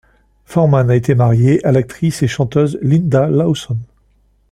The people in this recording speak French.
Foreman a été marié à l'actrice et chanteuse Linda Lawson.